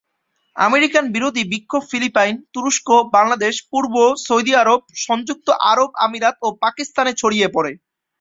American বিরোধী বিক্ষোভ Philippines, তুরস্ক, বাংলাদেশ, পূর্ব সৌদি আরব, সংযুক্ত আরব আমিরাত ও পাকিস্তানে ছড়িয়ে পড়ে।